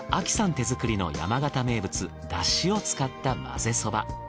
手作りの山形名物だしを使ったまぜそば。